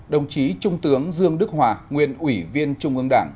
đồng chí trung tướng dương đức hòa nguyên ủy viên trung ương đảng